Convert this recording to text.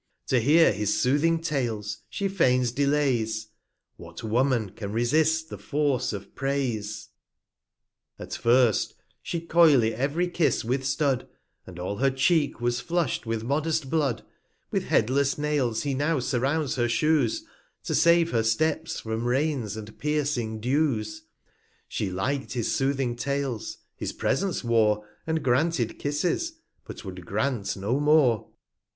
To hear his soothing Tales, she feigns Delays ; What Woman can resist the Force of Praise? 260 At first she coyly ev'ry Kiss withstood, And all her Cheek was flush'd with modest Blood: With headless Nails he now surrounds her Shoes, /* To save her Steps from Rains and piercing Dews; She lik'd his soothing Tales, his Presents wore, 265 And granted Kisses, but would grant no more.